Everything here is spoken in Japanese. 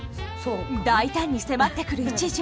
大胆に迫ってくる一条。